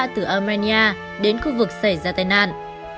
từ armenia đến khu vực xảy ra tai nạn